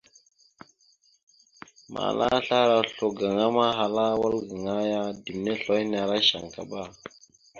Mala asla ara oslo gaŋa ma ahala a wal gaŋa ya ɗimne oslo hine ara shankaba.